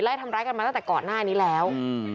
ทำร้ายกันมาตั้งแต่ก่อนหน้านี้แล้ว